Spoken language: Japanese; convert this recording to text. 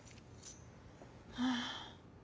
はあ